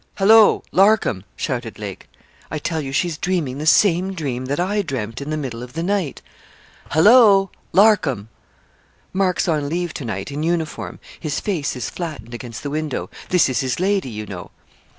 'Hallo! Larcom,' shouted Lake. 'I tell you she's dreaming the same dream that I dreamt in the middle of the night.' 'Hallo! Larcom.' 'Mark's on leave to night, in uniform; his face is flattened against the window. This is his lady, you know.'